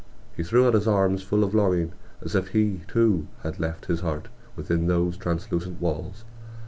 He threw out his arms full of longing, as if he too had left his heart within those translucent walls